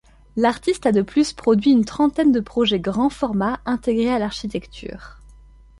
L’artiste a de plus produit une trentaine de projets grands formats intégrés à l’architecture.